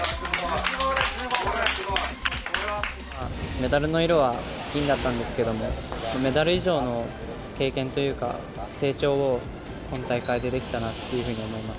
メダルの色は銀だったんですが金メダル以上の経験というか成長を、この大会でできたなって思います。